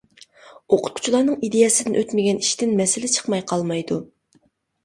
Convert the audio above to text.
ئوقۇتقۇچىلارنىڭ ئىدىيەسىدىن ئۆتمىگەن ئىشتىن مەسىلە چىقماي قالمايدۇ.